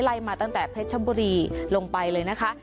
มาตั้งแต่เพชรบุรีลงไปเลยนะคะ